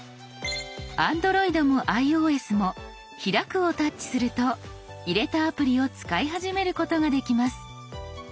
ＡｎｄｒｏｉｄもｉＯＳも「開く」をタッチすると入れたアプリを使い始めることができます。